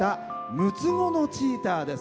６つ子のチーターです。